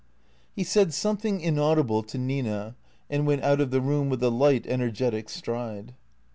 He said something inaudible to Nina and went out of the room with a light, energetic stride.